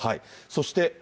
そして。